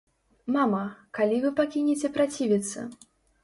Мама, калі вы пакінеце працівіцца?